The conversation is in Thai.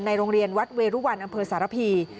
โรงเรียนวัดเวรุวันอำเภอสารพี